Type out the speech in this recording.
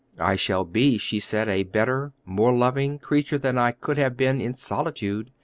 "I shall be," she said, "a better, more loving creature than I could have been in solitude.